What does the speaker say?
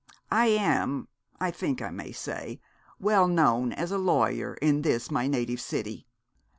I am, I think I may say, well known as a lawyer in this my native city.